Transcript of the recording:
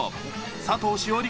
佐藤栞里